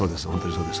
そうです